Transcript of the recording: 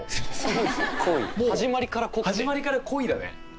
始まりから恋だね。